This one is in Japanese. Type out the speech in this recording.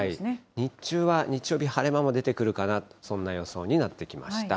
日中は日曜日、晴れ間も出てくるかな、そんな予想になってきました。